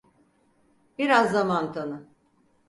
Biraz zaman tanı.